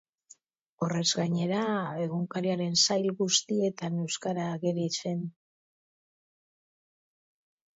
Horrez gainera, egunkariaren sail guztietan euskara ageri zen.